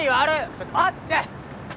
ちょっと待って！